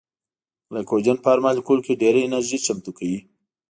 ګلایکوجن په هر مالیکول کې ډېره انرژي چمتو کوي